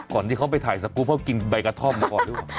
ก่อนที่เขาไปถ่ายสกุเพราะกินใบกระท่อมก่อนด้วยวะ